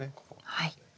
はい。